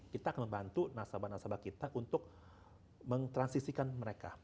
kita akan membantu nasabah nasabah kita untuk mentransisikan mereka